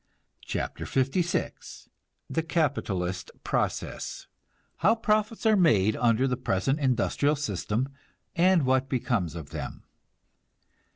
CHAPTER LVI THE CAPITALIST PROCESS (How profits are made under the present industrial system and what becomes of them.)